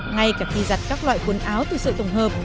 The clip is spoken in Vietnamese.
ngay cả khi giặt các loại quần áo từ sợi tổng hợp